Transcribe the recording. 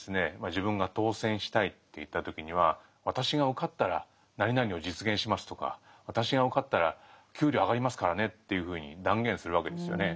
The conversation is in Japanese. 自分が当選したいっていった時には「私が受かったら何々を実現します」とか「私が受かったら給料上がりますからね」というふうに断言するわけですよね。